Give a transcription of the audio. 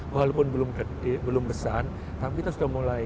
walaupun belum besar tapi kita sudah mulai